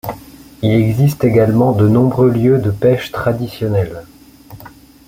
Il existe également de nombreux lieux de pêche traditionnelle.